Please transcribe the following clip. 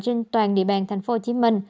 trên toàn địa bàn tp hcm